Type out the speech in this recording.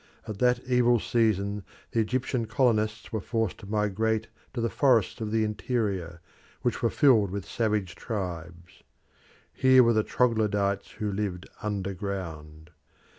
At that evil season the Egyptian colonists were forced to migrate to the forests of the interior, which were filled with savage tribes. Here were the Troglodytes who lived under ground.